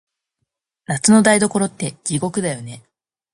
夏の台所って、地獄だよね。